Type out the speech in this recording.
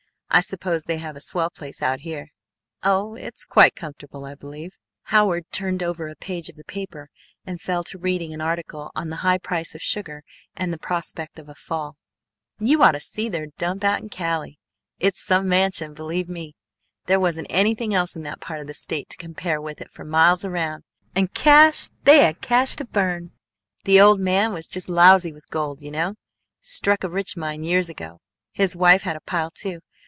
I suppose they have a swell place out here?" "Oh, it's quite comfortable, I believe," Howard turned over a page of the paper and fell to reading an article on the high price of sugar and the prospect of a fall. "You ought to see their dump out in Cally. It's some mansion, believe me! There wasn't anything else in that part of the State to compare with it for miles around. And cahs! They had cahs to burn! The old man was just lousy with gold, you know; struck a rich mine years ago. His wife had a pile, too.